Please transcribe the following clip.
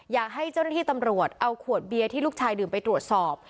อยากให้เจ้าหน้าที่ตำรวจเอาขวดเบียร์ที่ลูกชายดื่มไปตรวจสอบ